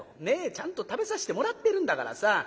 ねえちゃんと食べさせてもらってるんだからさ